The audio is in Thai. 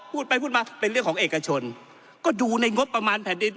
พูดไปพูดมาเป็นเรื่องของเอกชนก็ดูในงบประมาณแผ่นดิน